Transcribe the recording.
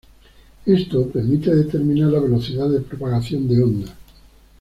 Esto permite determinar la velocidad de propagación de onda.